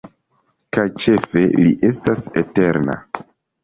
Kaj ĉefe, li estas eterna.